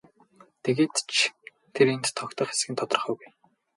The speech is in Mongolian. Тэгээд ч тэр энд тогтох эсэх нь тодорхойгүй.